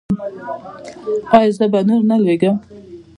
ایا زه به نور نه لویږم؟